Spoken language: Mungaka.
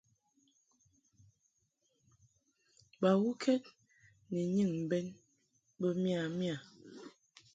Bawuked ni nyɨŋ bɛn bə miya miya.